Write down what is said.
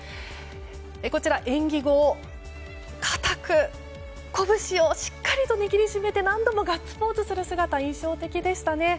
こちら演技後、固くこぶしをしっかりと握りしめて何度もガッツポーズする姿が印象的でしたね。